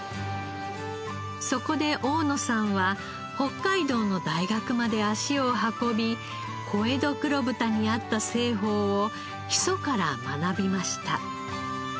そこで大野さんは北海道の大学まで足を運び小江戸黒豚に合った製法を基礎から学びました。